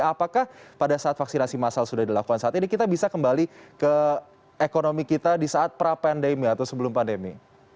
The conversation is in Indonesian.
apakah pada saat vaksinasi massal sudah dilakukan saat ini kita bisa kembali ke ekonomi kita di saat pra pandemi atau sebelum pandemi